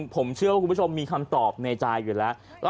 ผมเชื่อว่าคุณผู้ชมมีคำตอบในใจอยู่แล้ว